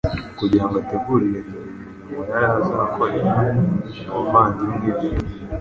Kugira ngo ategurire inzira imirimo yari azakorera muri aba bavandimwe be